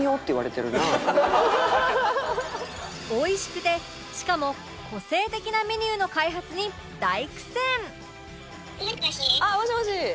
おいしくてしかも個性的なメニューの開発に大苦戦！もしもし？